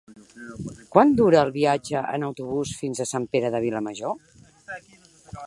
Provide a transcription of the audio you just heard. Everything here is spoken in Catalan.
Quant dura el viatge en autobús fins a Sant Pere de Vilamajor?